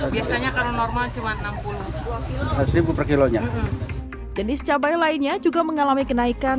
biasanya karena normal cuma enam puluh per kilonya jenis cabai lainnya juga mengalami kenaikan